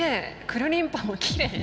くるりんぱもきれい。